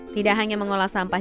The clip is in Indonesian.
tidak hanya mengolah sampah